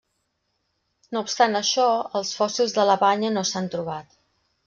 No obstant això, els fòssils de la banya no s'han trobat.